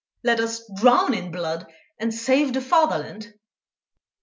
Let us drown in blood and save the fatherland...."